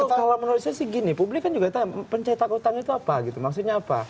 kalau menurut saya sih gini publik kan juga tahu pencetak utang itu apa gitu maksudnya apa